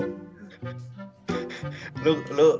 udah kayak drummond loh